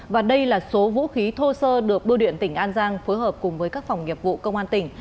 và đây là số vũ khí thô sơ được bưu điện tỉnh an giang phối hợp cùng với các phòng nghiệp vụ công an tỉnh